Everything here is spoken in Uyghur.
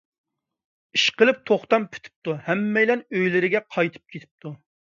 ئىشقىلىپ توختام پۈتۈپتۇ، ھەممەيلەن ئۆيلىرىگە كېتىپتۇ.